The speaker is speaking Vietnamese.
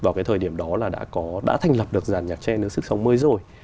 vào cái thời điểm đó là đã có đã thành lập được giàn nhạc tre nước sức sống mới rồi